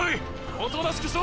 おとなしくしろ！